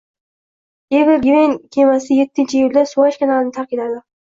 Ever Given kemasiyettiiyulda Suvaysh kanalini tark etadi